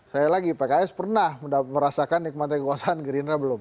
saya lagi pks pernah merasakan nikmatnya kekuasaan gerindra belum